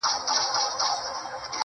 د واده پر مراسمو د بمبار په تاثر